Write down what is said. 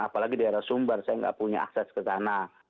apalagi di arah sumbar saya enggak punya akses ke sana